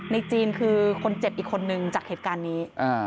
จีนคือคนเจ็บอีกคนนึงจากเหตุการณ์นี้